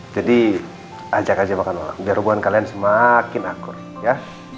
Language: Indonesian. jadi ajak aja makan malam biar hubungan kalian semakin akur ya